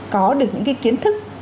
có được những cái kiến thức